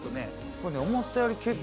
これね思ったより結構。